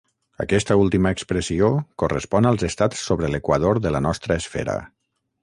Aquesta última expressió correspon als estats sobre l'equador de la nostra esfera.